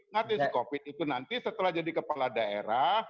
ngatasi covid itu nanti setelah jadi kepala daerah